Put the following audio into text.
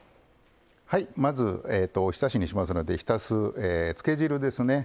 まずおひたしにしますのでひたす、つけ汁ですね。